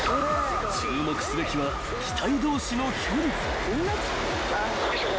［注目すべきは機体同士の距離］よいしょ。